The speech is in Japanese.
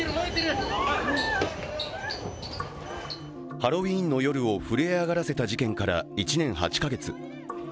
ハロウィーンの夜を震え上がらせた事件から１年８か月。